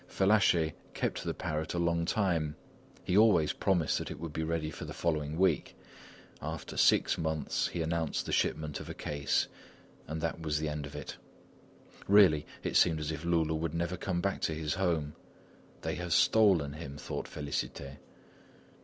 Fellacher kept the parrot a long time. He always promised that it would be ready for the following week; after six months he announced the shipment of a case, and that was the end of it. Really, it seemed as if Loulou would never come back to his home. "They have stolen him," thought Félicité.